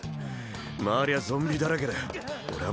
周りはゾンビだらけで俺はもう。